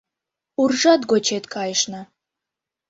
Уржат гочет кайышна